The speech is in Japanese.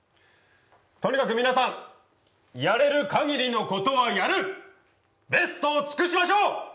とにかく皆さんやれるかぎりのことはやるベストを尽くしましょう！